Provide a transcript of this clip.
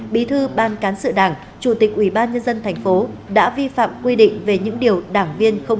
bí thư ban cán sự đảng chủ tịch ubnd tp hcm đã vi phạm quy định về những điều đảng viên không